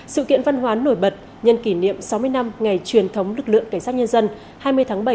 sự kiện văn hóa nổi bật nhân kỷ niệm sáu mươi năm ngày truyền thống lực lượng cảnh sát nhân dân hai mươi tháng bảy